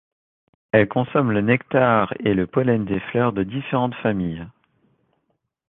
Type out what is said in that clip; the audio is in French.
Elles consomment le nectar et le pollen des fleurs de différentes familles.